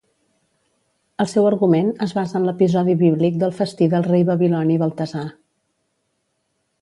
El seu argument es basa en l'episodi bíblic del festí del rei babiloni Baltasar.